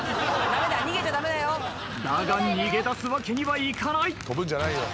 だが逃げ出すわけにはいかない。